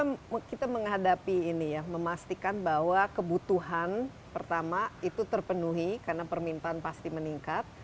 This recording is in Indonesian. pertama kita menghadapi ini ya memastikan bahwa kebutuhan pertama itu terpenuhi karena permintaan pasti meningkat